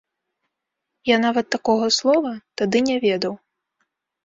Я нават такога слова тады не ведаў.